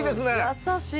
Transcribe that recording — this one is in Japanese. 優しい！